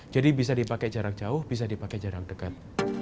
jadi bisa dipakai jarak jauh bisa dipakai jarak dekat